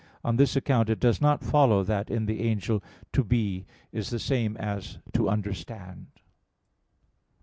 On this account it does not follow that in the angel "to be" is the same as 'to understand.'